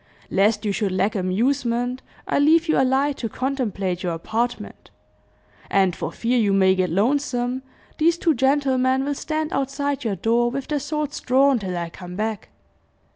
Lest you should lack amusement, I'll leave you a light to contemplate your apartment; and for fear you may get lonesome, these two gentlemen will stand outside your door, with their swords drawn, till I come back.